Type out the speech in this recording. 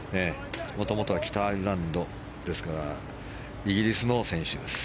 もともとは北アイルランドですからイギリスの選手です。